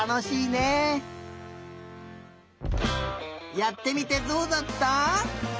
やってみてどうだった？